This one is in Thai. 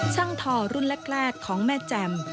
ทอรุ่นแรกของแม่แจ่ม